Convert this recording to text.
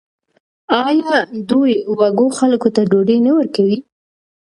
آیا دوی وږو خلکو ته ډوډۍ نه ورکوي؟